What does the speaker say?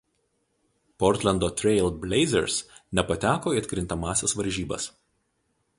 Portlendo „Trail Blazers“ nepateko į atkrintamąsias varžybas.